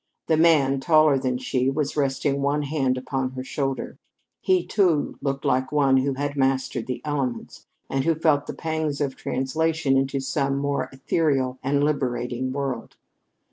The man, taller than she, was resting one hand upon her shoulder. He, too, looked like one who had mastered the elements and who felt the pangs of translation into some more ethereal and liberating world.